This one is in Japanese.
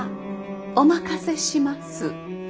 お任せします。